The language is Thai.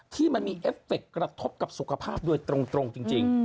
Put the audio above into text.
ที่มันมีเอฟเฟคกระทบกับสุขภาพโดยตรงจริง